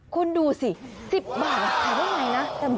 คุณดูสิ๑๐บาทขายได้ไงนะ